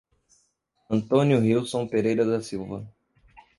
Antônio Rilson Pereira da Silva